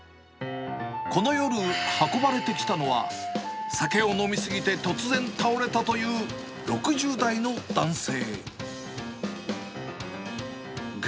この夜、運ばれてきたのは、酒を飲み過ぎて突然倒れたという６０代の男性。